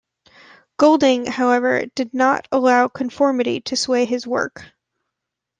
Golding, however, did not allow conformity to sway his work.